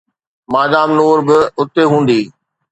Madam Noor به اتي هوندي.